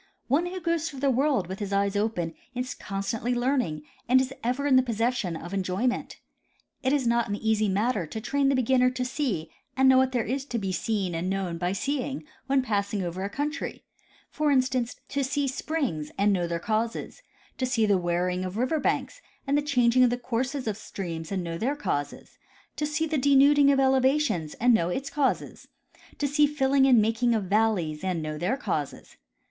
One who goes through the world with his eyes open is constantly learning and is ever in the possession of enjoyment. It is not an easy matter to train the beginner to see and know what there is to be seen and known by seeing wdien passing over a country : for Iq—Nat. Geog. Mag., vol. V, 1893. (137) 138 W. B. Poioell — Geographic Instruction. instance, to see springs and know their causes ; to see the wear ing of river banks and the clianging of the courses of streams and know their causes ; to see the denuding of elevations and know its causes ; to see the filling and making of valleys and know their causes.